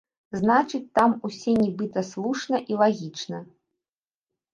Значыць, там усе нібыта слушна і лагічна.